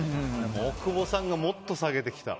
大久保さんがもっと下げてきた。